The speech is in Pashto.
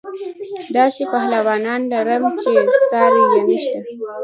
داسې پهلوانان لرم چې ساری یې نشته.